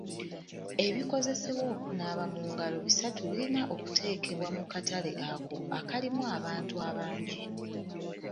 Ebikozesebwa okunaaba mu ngalo bisatu birina okuteekebwa mu katale ako akalimu abantu abangi.